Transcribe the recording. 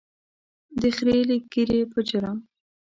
د خرییلې ږیرې په جرم.